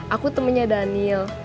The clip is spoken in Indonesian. aku temennya daniel